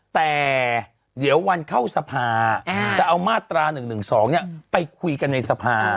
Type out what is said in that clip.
แต่เดี๋ยววันเข้าสภาจะเอามาตรา๑๑๒ไปคุยกันในสภา